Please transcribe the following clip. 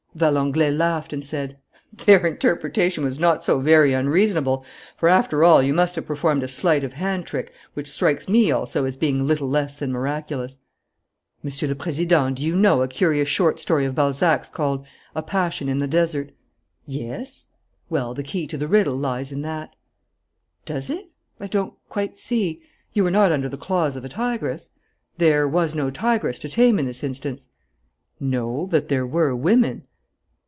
Valenglay laughed and said: "Their interpretation was not so very unreasonable, for, after all, you must have performed a sleight of hand trick which strikes me also as being little less than miraculous." "Monsieur le Président, do you know a curious short story of Balzac's called 'A Passion in the Desert?'" "Yes." "Well, the key to the riddle lies in that." "Does it? I don't quite see. You were not under the claws of a tigress. There, was no tigress to tame in this instance." "No, but there were women."